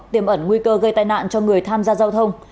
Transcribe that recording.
tiềm ẩn nguy cơ gây tai nạn cho người tham gia giao thông